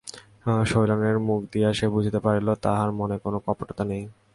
শৈলেনের মুখ দেখিয়াই সে বুঝিতে পারিল, তাহার মনে কোনো কপটতা নাই।